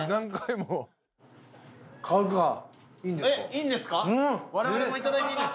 いいんですか？